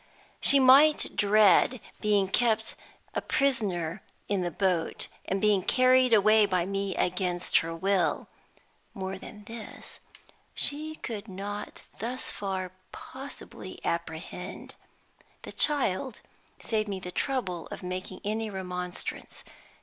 She might dread being kept a prisoner in the boat, and being carried away by me against her will. More than this she could not thus far possibly apprehend. The child saved me the trouble of making any remonstrance.